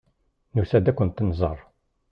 Nusa-d ad kent-nẓer.